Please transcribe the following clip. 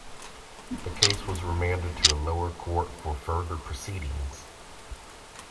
The case was remanded to a lower court for further proceedings.